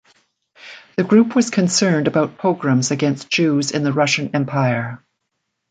The group was concerned about pogroms against Jews in the Russian Empire.